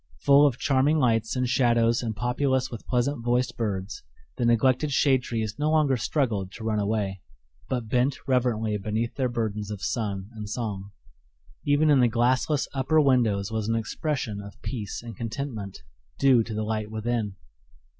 Full of charming lights and shadows and populous with pleasant voiced birds, the neglected shade trees no longer struggled to run away, but bent reverently beneath their burdens of sun and song. Even in the glassless upper windows was an expression of peace and contentment, due to the light within.